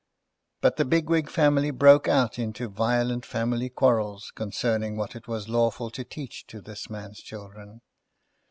But, the Bigwig family broke out into violent family quarrels concerning what it was lawful to teach to this man's children.